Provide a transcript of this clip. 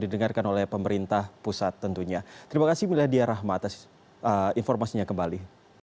didengarkan oleh pemerintah pusat tentunya terima kasih miladi ar rahman atas informasinya kembali